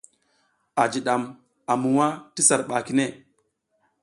A jiɗam a muwa ti sar ɓa kine.